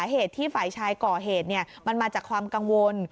เหตุที่ฝ่ายชายก่อเหตุมันมาจากความกังวล